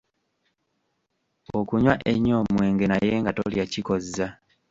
Okunywa ennyo omwenge naye nga tolya kikkoza.